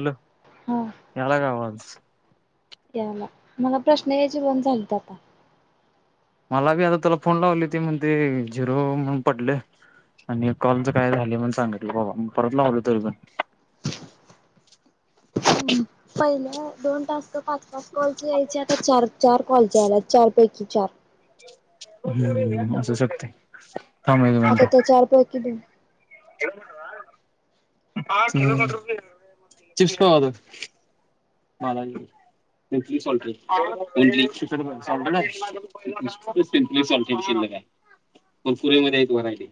Hello,, हा यालाय काय आवाज? यालाय, मला प्रश्न याची पण झालत आता. मला बी आता तुला फोन लावलो ते म्हणते झिरो म्हणून पडलय. आणि कॉलच काय झालं म्हण सांगितली बाबा, परत लावल तरी पण. पहिलं दोन टास्क पाच-पाच कॉलच यायचं, काय चार चार कॉलच आल्यात, चार पैकी चार. हम्म, असु शकतंय. आता त्या चार कॉल की दोन. येणा. चिप्स [unintelligible] बालाजी [unintelligible] नुसत सिमपली सॉल्टेड शिल्लक आहे, कुरकुरेमध्ये आहेत व्हरायटी.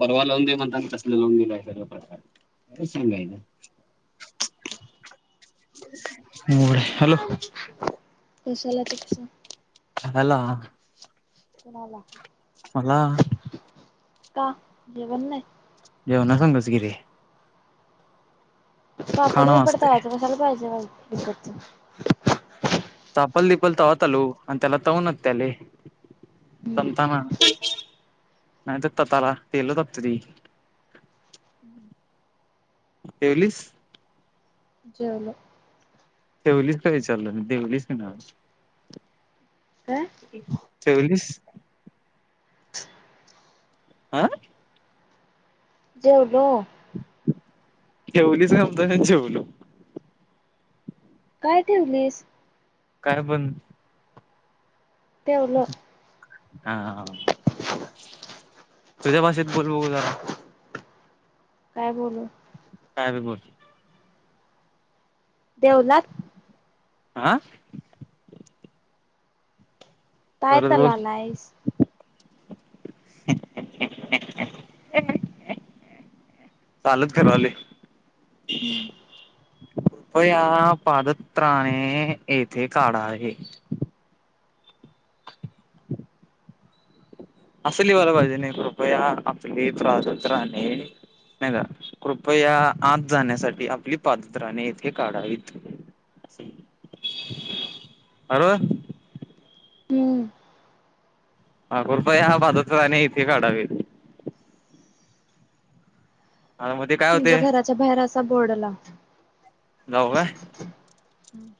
परवा लावून दे म्हणतान तसल लावून दिलायसा [unintelligible] प्रकार काय सांगायच. होय हॅलो! कशाला चिप्स? खायला. कुणाला? मला का जेवण नाही? जेवनासंगच की रे. पापड खाणं बिपड असते तळायचं कशाला पाहिजेल [unintelligible] इकडचं. चापल दिपल तव्हा तलू आणि त्याला ताऊूनत त्याले हम्म तमता मा नाही तर तताला तेलो रात्री ठेवलीस? जेवलो. ठेवलीच काय विचारलं मी देवलीस काय नव्ह. काय? ठेवलीस? आं जेवलो. ठेवलीस काय म्हणतान जेवलो काय ठेवलीस? काय पण ठेवलो. आ तुझ्या भाषेत बोल बघु जरा. काय बोलू? काय बी बोल. ठेवलास? आ काय परत बोल तलालायस. [unintelligible] चालूच करालोय हम्म. कृपया पादत्राने येथे काढावे. [inaudible] आसं लिव्हायला पाहिजे नाही कृपया आपले प्रादत्राणे नाही का कृपया आत जाण्यासाठी आपली पादत्राने येथे काढावीत. [unintelligible] हम् [unintelligible] कुरपया पादत्राणे इथे काढावी आणि मग ते काय तुमच्या होते घराच्या बाहेर आसा बोर्ड लाव. लावू काय? हम्म.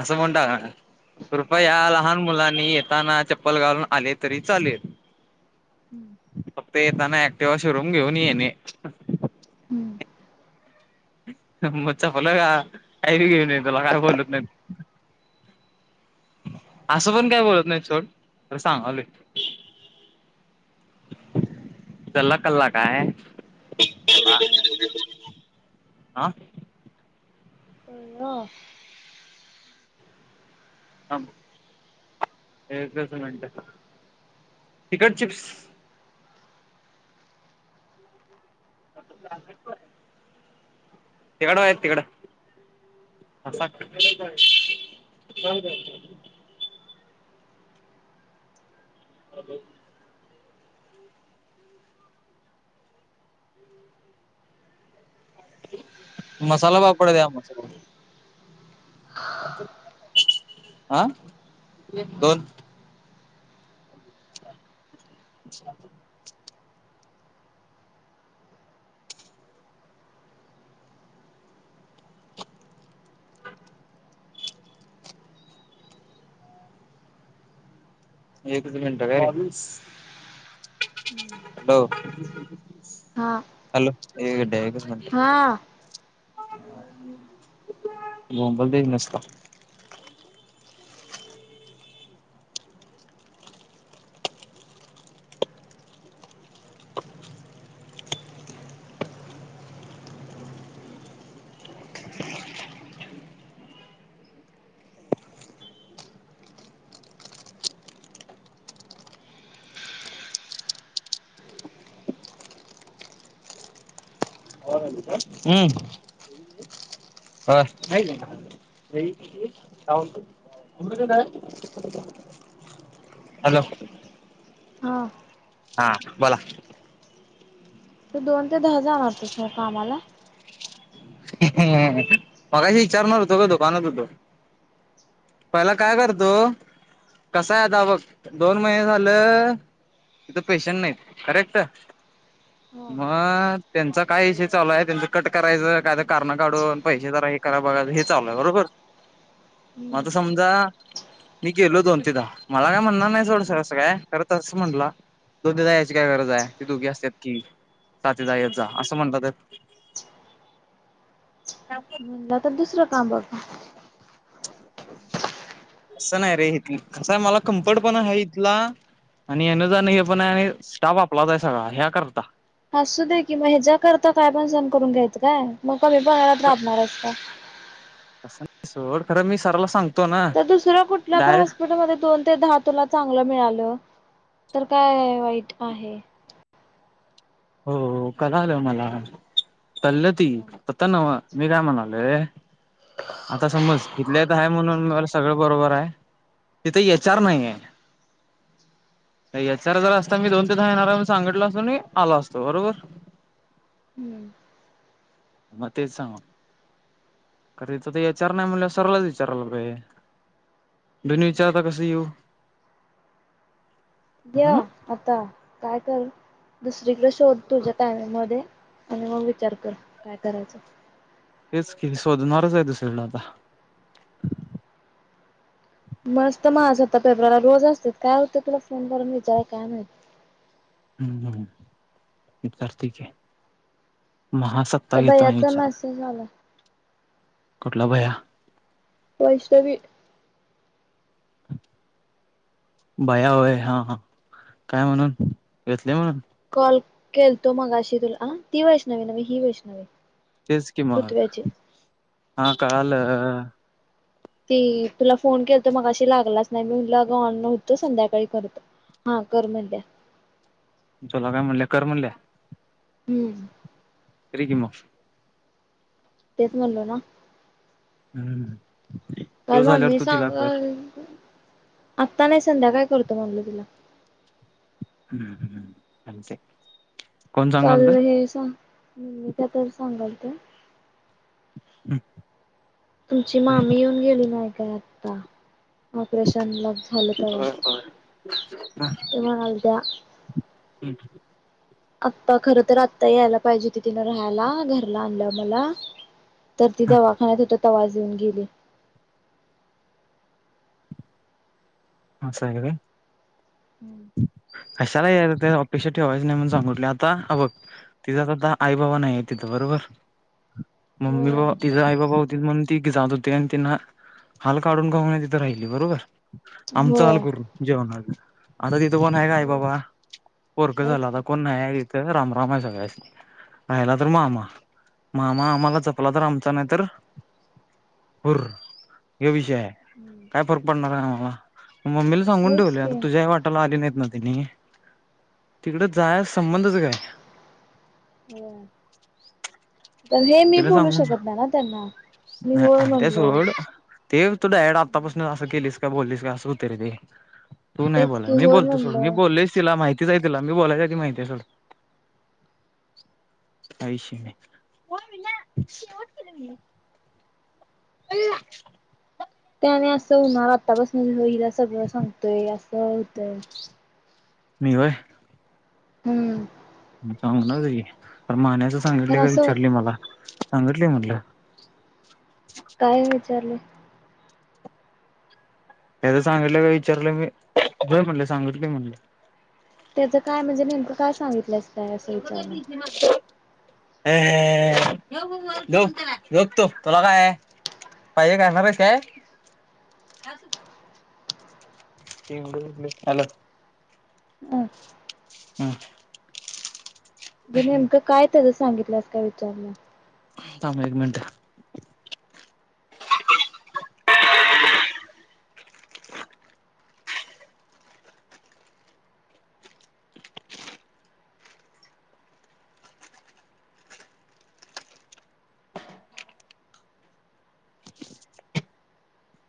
आस म्हणू टाक कृपया लहान मुलांनी येताना चप्पल घालून आले तरी चालेल. फक्त येताना ऍक्टिवा शोरूम घेऊन येणे. हम्म. हा, मग चालू [unintelligible] हाय लाईट गेली, की तुला काय बोलत नाही. असं, पण काय बोलत, नाहीत सोड, पण सांगालोय. चल्ला- कल्ला, काय? अ [unintelligible] आ? अ [unintelligible] थांब, एकच मिनट, तिकट चिप्स? [unintelligible] [inaudible] अ [unintelligible] मसाला पापड द्या, मसाला आ, दोन [inaudible] एकच मिनटं, काय? हो, हा हॅलो? हे [unintelligible] एकच मिनिट. हा बोंबलतय, नुसत. हम्. अ, हाय क काय, [unintelligible] म्हणतोस आम्रखंड आहे? हॅलो? हा. हा, बोला. तू, दोन ते दहा जाणार तीस ना, कामाला? ह्म, मगाशी ईचारणार होतो का, दुकानात होतो? पला काय करतो? कसा हाय, आता बघ, दोन महिने झालं. तिथं पेशन नाहीत, करेक्ट हो म, त्यांचा काय विषय चालू ये, त्यांच कट करायचं, काय कारण काढून, पैसे जरा हे करा, बघाय, हे चालू ये, बरोबर? म हम्म आता समजा मी गेलो दोन ते दाहा, मला काय म्हणला नाही, सोड सं असं काय, खरं तसं म्हन्ला. दोघी जायची काय गरज आय, ते दोघे असत्यात की, साथी जा येत जा, असं म्हणतात काकी म्हणलं, तर दुसरं काम बघ. असं नाही रे, [unintelligible] मला कम्फर्ट, पण हाय इथला. आणि येन जाण हे पण हाय, स्टाफ आपलाच ये सगळा, ह्या करता असूदे की, मग ह्याच्याकरता, काय पण सहण करून घ्यायंचं काय? मग कमी [unintelligible] लाभणारस का? असं [unintelligible] मी सराला सांगतो. ना त दुसऱ्या कुठल्या पण, डायरेक्ट हॉस्पिटलमध्ये दोन ते, दहा तुला चांगलं मिळालं, तर काय वाईट आहे. हो, कलालं मला, कल्ल ते. त्यांना म्हना, मी काय म्हणालो, आता समज, इथल्या तर हाय म्हणून, मला सगळं बरोबर हाय, तिथे एच आर नाही ये. एच आर जर असता, मी दोन ते दहा येणार, मी सांगितल असतो आणि आला असतो, बरोबर? हम्म. म, ते तेच सांग कारर तिथ ते एच र नाही म्हंटल्यावर सरालाच विचारयला पाहिजे. बिन विचारता कसं येऊ? या हं आता काय कर दुसरीकडे शोध तुझ्या टायमिगमध्ये आणि मग विचार कर काय करायचं. तेच की शोधणारच आहे दुसरी कडे आता. मस्त महासत्ता पेप्रला रोज असत्यात काय होतय, तुला फोनकरून विचारायला काय माहित. हम्म हम्म. विचारतो की महास आता त्या घेतो आहे भैयाचा विचार. मेसेज आला कुठला भया? वैष्णवि भया वय हा हा काय म्हणून घेतलय म्हणून कॉल केलतो मगाशी तुला ती वैष्णवी नवे ही वैष्णवी. तेच कि पृथ्व्याची मग हा कळाल. ती तुला फोन केलतो मगशी लागलाच नाही मी म्हणलं अगं ऑन नव्हतो संध्याकाळी करतो. हा कर म्हणल्या. तूला काय म्हणल्या कर म्हणल्या? हम्म. कर की मग. तेच म्हणलो ना. हम्म. त्यो काल झाल्यावर मम्मी तू तिला कर सांगाल आत्ता नाही संध्याकाळी करतो म्हणलं तिला. हम्म. आमचे काल हे सां मी त्या तर सांगालतो हम् तुमची मामी येऊन गेली नाही काय आता. ऑपरेशन ला झालं तेव्हा ते म्हणलंत्या हम्म. आता खर तर आत्ता यायला पाहिजे त तिनं राहायला घरला आणल्या मला, तर ती दवाखान्यात होता तवाच येऊन गेली. असं आहे होय? हम्म. कशाला या ते अपेक्षा ठेवायचं नाही म्हण सांगटलोय आता हबघ तिचा तर आता आई बाबा नाहीय तिथं बरोबर मम्मी होय बा तिझ आई बाबा होतीत म्हणून त जात होती आणि तिनं हाल काढून काढून तिथे राहिली बरोबर आमच हाल होय करू जेवणाच आता तिथं कोण आहे का आहे होय बाबा परख झाला नाहीच आता की कोण नाही आहे ती ते रामराम आहे सगळ्यास नी. राहिला तर मामा मामा आम्हाला जपला तर आमचा नाही तर भूर ह्यो विषय हाय. हम्म. फरक पडणाराय आम्हाला मम्मीला सांगून होयच ठेवलय आता की तुझ्या वाट याला नाहीत ना त्यनी तिकड जायस संबंधच काय? ह. तर हे मी तिला बोलू सांगून शकत नाही ना त्यांना मी होय नाही ते म्हणलो. सोड ते तू डायरेक्ट आत्तापासून असं केलीस का बोललीस का असं होतंय रे ते. तू नाही तेच बोलाय की मी होय बोलतो सोड मी म्हणलं बोललेस तिला माहिती तिचय तिला मी बोलायच्या आधीच माहिती आहे सोड काही ईषय नाही. हो [inaudible] त्याने असं होणार, आतापासून ह्यो हिला सगळं सांगतोय असं होतंय, मी व्हय हम्म सांगू ना त तर माण्याच सांगितले तर का असं विचारली होत मला सांगितली म्हटलं, काय विचारले? त्याज सांगितलं काय विचारलं मी, होय म्हणलं सांगितलंय म्हणलं त्याचं काय म्हणजे, नेमकं काय सांगितलंस? काय असं एवढं काय विचारलं. बीजे ना अ लक लोक तो तुला काय आहे [unintelligible] पाहिजे घालणार आहेस काय? त हॅलो [unintelligible] हम [unintelligible] हम ज नेमकं काय त्याचं सांगितलंस काय विचारलं? थांब एक मिनट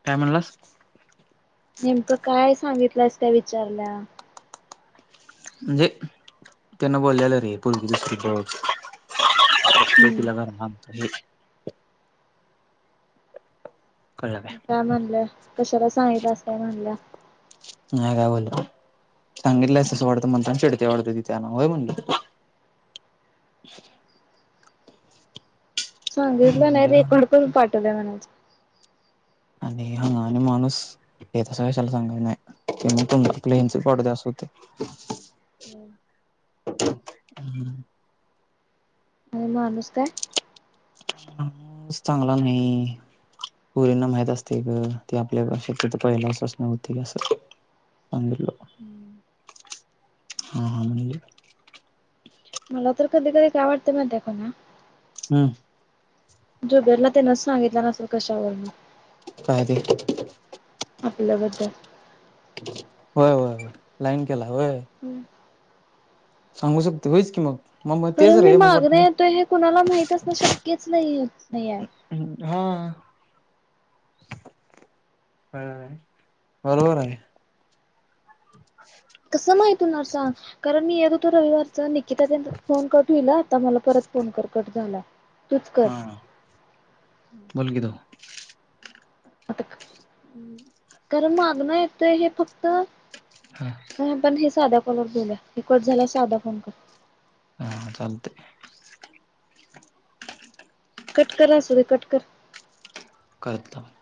काय म्हणलास? नेमकं काय सांगितलंस? त्या विचारल्या म्हणजे त्यांना बोललेलं रे पोरगीविषयी हम्म. लारमात [inaudible] मग काय म्हणल्या कशाला सांगल अस काय म्हणल्या नाही काय बोलल्या, सांगितलं असं वाढत म्हणताना चिडत्या वाढत तिथेना होय म्हणलं सांगितलं नाही, म्हणलं रेकॉर्ड करून पाठवलंय म्हणायचं आणि हं आणि माणूस येतसा कशाला सांग नाही ते तुम्ही प्लेनचे पाडू द्या अस होते. ह [inaudible] हम [unintelligible] आणि माणूस काय? माणूस चांगला नाही. पोरींना माहित असतय ग, ती आपल्या श त पहिला असच नव्हती असं सागितलं, हा हा म्हणली मला तर कधी -कधी काही आवडतं माहित त्या को ना हम्. जो गेरला ते न सांगितला नसेल कशावर म काय ते? आपल्याबद्दल होय, होय, होय, लाईन केला होय? हम्म सांगू शकतोय, होईच की मग, मग मग तेच कारण मी रे मग मागण वाटलं येतोय हे कुणाला माहित असण शक्यच नाही आहे. ह्, हा व्हय, बरोबर आहे. [inaudible] कसं माहित हुंणार सांग, कारण मी येत होतो रविवारच हीथ पण, फोन कट होईल आता मला परत फोन कर, कट झाला तूच कर हा बोल की तवा. कारण मागणं येतय हे फक्त हा. हे पण हे साध्या कॉलवर बोलूया हे कट झाल्यावर साधा फोन कर. हा चालतय. कट कर असुदे कट कर. [unintelligible]